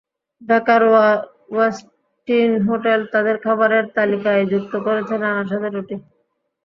ঢাকার Westin hotel তাদের খাবারের তালিকায় যুক্ত করেছে নানা স্বাদের রুটি।